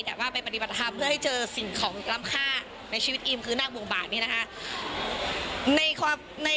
แต่ว่าไปปฏิบัติธรรมเพื่อให้เจอสิ่งของล้ำค่าในชีวิตอิมคือนาควงบาทนี้นะคะ